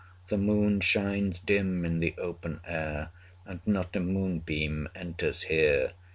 The moon shines dim in the open air, 175 And not a moonbeam enters here.